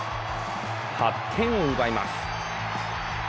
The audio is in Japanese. ８点を奪います。